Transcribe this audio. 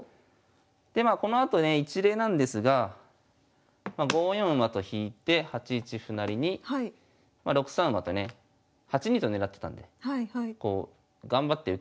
でまあこのあとね一例なんですが５四馬と引いて８一歩成に６三馬とね８二と金狙ってたんでこう頑張って受けてくるんですが。